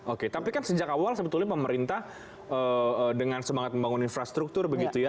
oke tapi kan sejak awal sebetulnya pemerintah dengan semangat membangun infrastruktur begitu ya